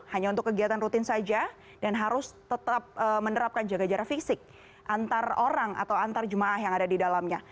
hanya untuk kegiatan rutin saja dan harus tetap menerapkan jaga jarak fisik antar orang atau antar jemaah yang ada di dalamnya